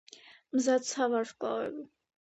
მზე ცა ვარსკვლავები